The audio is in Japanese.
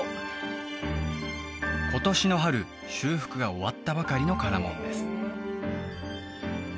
今年の春修復が終わったばかりの唐門です